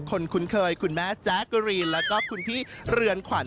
คุ้นเคยคุณแม่แจ๊กกะรีนแล้วก็คุณพี่เรือนขวัญ